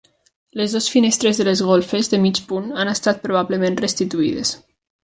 Les dues finestres de les golfes, de mig punt, han estat probablement restituïdes.